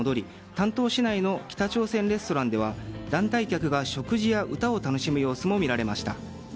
丹東市内の北朝鮮レストランでは団体客が食事や歌を楽しむ様子も見られました。